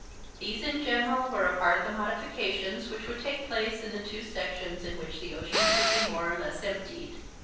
These in general were a part of the modifications which would take place in the two sections in which the oceans would be more or less emptied.